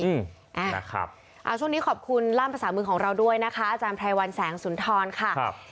อืมอ่านะครับอ่าช่วงนี้ขอบคุณล่ามภาษามือของเราด้วยนะคะอาจารย์ไพรวัลแสงสุนทรค่ะครับ